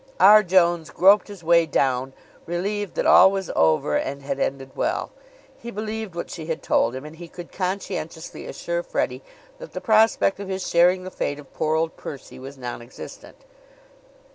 R. Jones groped his way down, relieved that all was over and had ended well. He believed what she had told him, and he could conscientiously assure Freddie that the prospect of his sharing the fate of poor old Percy was nonexistent.